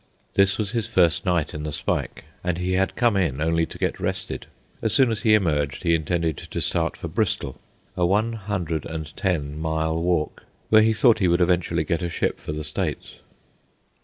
This was his first night in the spike, and he had come in only to get rested. As soon as he emerged, he intended to start for Bristol, a one hundred and ten mile walk, where he thought he would eventually get a ship for the States.